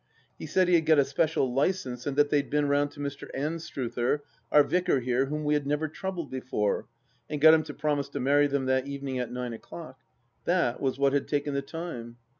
He said he had got a special licence, and that they'd been round to Mr. Anstruther, our Vicar here whom we have never troubled before, and got him to promise to marry them that evening at nine o'clock. That was what had taken the time.